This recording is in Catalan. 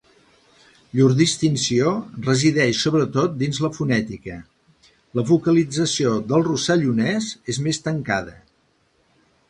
Llur distinció resideix sobretot dins la fonètica, la vocalització del rossellonès és més tancada.